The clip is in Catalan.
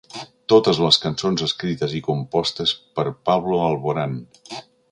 Totes les cançons escrites i compostes per Pablo Alborán.